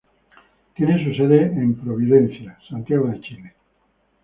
Tiene su sede en Providencia, Santiago de Chile.